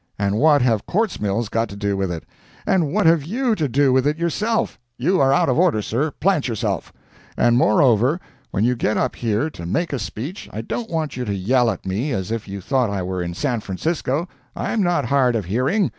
—and what have quartz mills got to do with it—and what have you to do with it yourself? You are out of order, sir—plant yourself. And moreover, when you get up here to make a speech, I don't want you to yell at me as if you thought I were in San Francisco—I'm not hard of hearing.